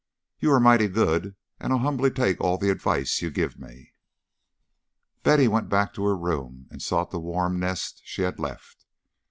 "You are mighty good, and I'll humbly take all the advice you'll give me." Betty went back to her room and sought the warm nest she had left.